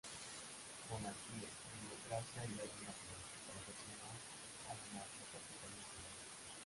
Monarquía, democracia y orden natural" para designar al anarcocapitalismo.